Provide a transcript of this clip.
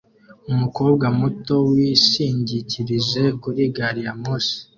Umukobwa muto wishingikirije kuri gari ya moshi